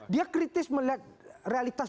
dia kritis melihat realitas